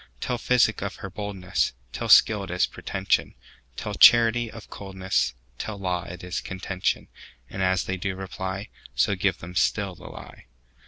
Tell physic of her boldness; Tell skill it is pretension; Tell charity of coldness; Tell law it is contention:And as they do reply, So give them still the lie.